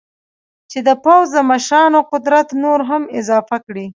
چې د پوځ د مشرانو قدرت نور هم اضافه کړي.